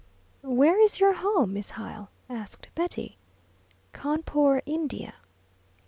"Where is your home, Miss Hyle?" asked Betty. "Cawnpore, India."